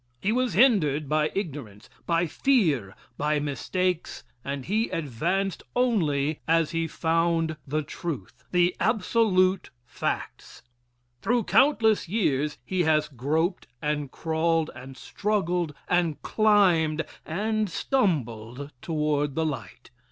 He was hindered by ignorance, by fear, by mistakes, and he advanced only as he found the truth the absolute facts. Through countless years he has groped and crawled and struggled and climbed and stumbled toward the light.